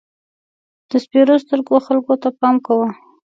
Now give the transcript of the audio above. د سپېرو سترګو خلکو ته پام کوه.